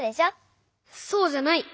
そうじゃない！